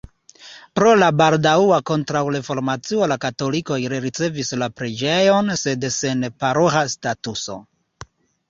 Pro la baldaŭa kontraŭreformacio la katolikoj rericevis la preĝejon, sed sen paroĥa statuso.